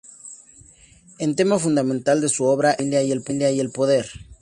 El tema fundamental de su obra es la familia y el poder.